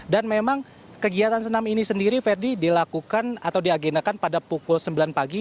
dan memang kegiatan senam ini sendiri fedy dilakukan atau diagenakan pada pukul sembilan pagi